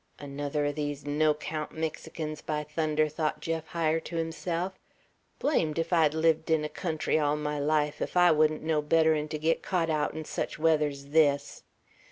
"Another o' these no 'count Mexicans, by thunder!" thought Jeff Hyer to himself. "Blamed ef I'd lived in a country all my life, ef I wouldn't know better'n to git caught out in such weather's this!"